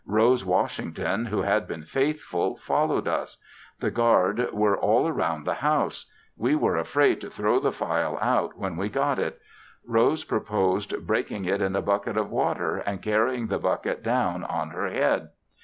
Rose Washington, who had been faithful, followed us; the guard were all around the house. We were afraid to throw the phial out, when we got it. Rose proposed breaking it in a bucket of water and carrying the bucket down on her head.